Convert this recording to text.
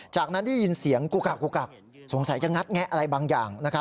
จากนั้นได้ยินเสียงกุกักสงสัยจะงัดแงะอะไรบางอย่าง